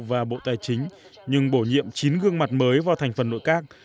và bộ tài chính nhưng bổ nhiệm chín gương mặt mới vào thành phần nội các